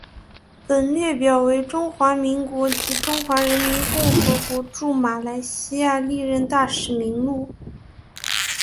本列表为中华民国及中华人民共和国驻马来西亚历任大使名录。